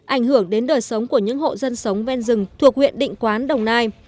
ảnh hưởng đến đời sống của những hộ dân sống ven rừng thuộc huyện định quán đồng nai